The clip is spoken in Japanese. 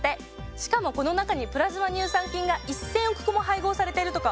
しかもこの中にプラズマ乳酸菌が１，０００億個も配合されてるとか。